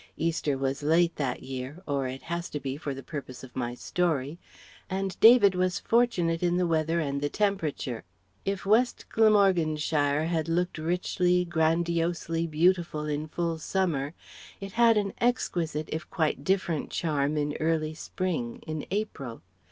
Easter was late that year or it has to be for the purpose of my story and David was fortunate in the weather and the temperature. If West Glamorganshire had looked richly, grandiosely beautiful in full summer, it had an exquisite, if quite different charm in early spring, in April.